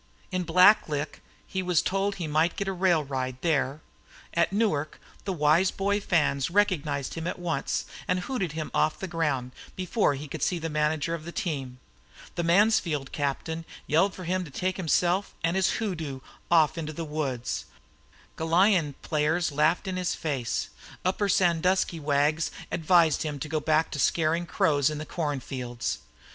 In Black Lick he was told he might get a rail ride there; at Newark the wise boy fans recognized him at once and hooted him off the ground before he could see the manager of the team; the Mansfield captain yelled for him to take himself and his hoodoo off into the woods; Galion players laughed in his face; Upper Sandusky wags advised him to go back to scaring crows in the cornfields.